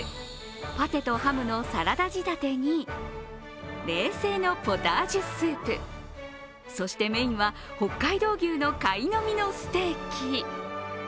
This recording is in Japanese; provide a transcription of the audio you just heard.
パテとハムのサラダ仕立てに、冷製のポタージュスープそしてメインは北海道牛のカイノミのステーキ。